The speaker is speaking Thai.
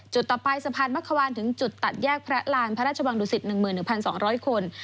ต่อไปสะพานมะควานถึงจุดตัดแยกพระรานพระราชวังดุสิต๑๑๒๐๐คน